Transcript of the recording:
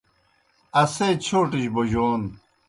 اسے چھوٹِجیْ بوجون